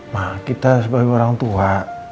nah kita sebagai orang tua